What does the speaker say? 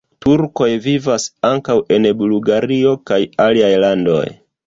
Turkoj vivas ankaŭ en Bulgario kaj aliaj landoj.